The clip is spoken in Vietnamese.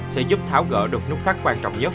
sẽ giúp tháo gỡ được nút thắt quan trọng nhất